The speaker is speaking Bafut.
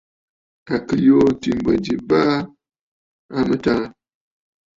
À kɨ̀ yùû ɨ̀tǐ mbwɛ̀ ji baa a mɨtaa.